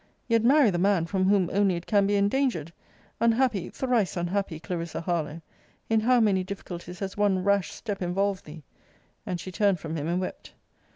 Yet marry the man from whom only it can be endangered! Unhappy, thrice unhappy Clarissa Harlowe! In how many difficulties has one rash step involved thee! And she turned from him and wept.